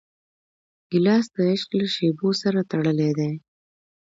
ګیلاس د عشق له شېبو سره تړلی دی.